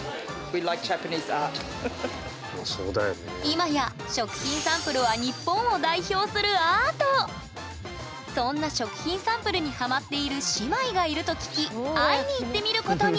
今や食品サンプルはそんな食品サンプルにハマっている姉妹がいると聞き会いに行ってみることに！